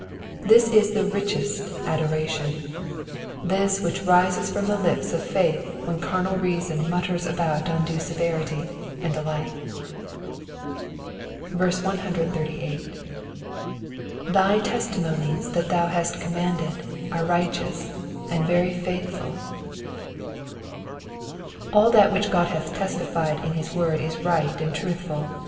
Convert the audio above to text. This is the richest adoration — tnis which rises from the Ups of faith when carnal reason mutters about undue severity, and the like. 138. *'!7%y testimonies that thou htist commanded are righteous and very faithful,''^ All that which God hath testified in his word is right and truthful.